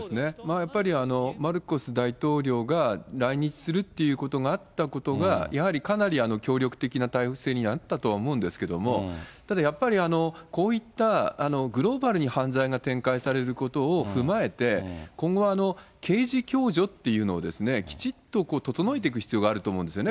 やっぱりマルコス大統領が来日するっていうことがあったことが、やはりかなり協力的な体制になったとは思うんですけれども、ただやっぱりこういったグローバルに犯罪が展開されることを踏まえて、今後、刑事共助っていうのをきちっと整えていく必要があると思うんですよね。